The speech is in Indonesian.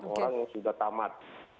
orang yang sudah tamat